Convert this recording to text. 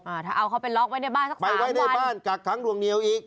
อ่าถ้าเอาเขาไปล็อกไว้ในบ้านสักทีไปไว้ในบ้านกักขังลวงเหนียวอีก